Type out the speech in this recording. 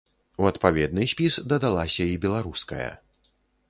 У адпаведны спіс дадалася і беларуская.